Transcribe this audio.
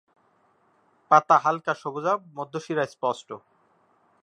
পাতা হাল্কা সবুজাভ, মধ্য শিরা স্পষ্ট।